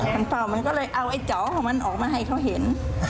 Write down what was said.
ก็เลยเอาไอ้เจ๋าของมันออกมาให้เขาเห็น